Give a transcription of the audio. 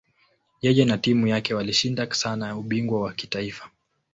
Yeye na timu yake walishinda sana ubingwa wa kitaifa.